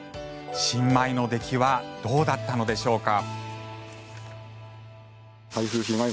新米の出来はどうだったのでしょうか。